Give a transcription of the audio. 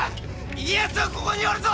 家康はここにおるぞ！